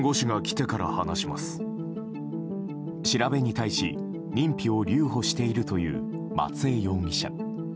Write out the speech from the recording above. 調べに対し認否を留保しているという松江容疑者。